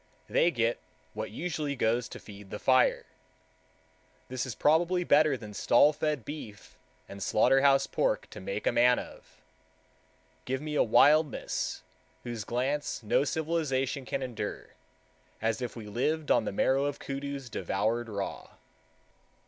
They get what usually goes to feed the fire. This is probably better than stall fed beef and slaughterhouse pork to make a man of. Give me a wildness whose glance no civilization can endure,—as if we lived on the marrow of koodoos devoured raw.